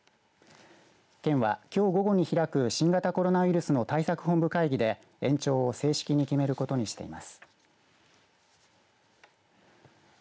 県は、きょう午後に開く新型コロナウイルスの対策本部会議で延長を正式に決めることにしています。